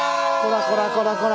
こらこらこら